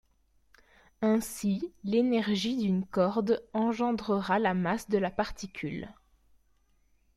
Ainsi, l'énergie d'une corde engendrera la masse de la particule.